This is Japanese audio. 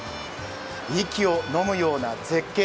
息をのむような絶景。